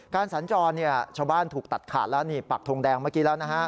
การสัญจรชาวบ้านถูกตัดขาดแล้วปากทงแดงเมื่อกี้แล้ว